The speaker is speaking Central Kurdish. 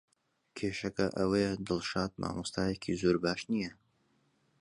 کێشەکە ئەوەیە دڵشاد مامۆستایەکی زۆر باش نییە.